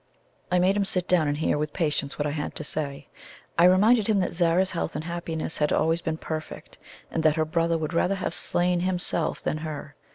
I made him sit down and hear with patience what I had to say. I reminded him that Zara's health and happiness had always been perfect, and that her brother would rather have slain himself than her.